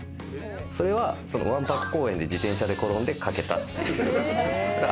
それは、わんぱく公園で自転車で転んで欠けたっていう。